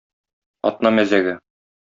Атна мәзәге!